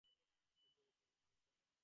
ওকে জোরের সঙ্গে মানতে হবে।